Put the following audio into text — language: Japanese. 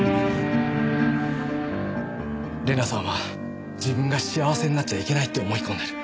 玲奈さんは自分が幸せになっちゃいけないって思い込んでる。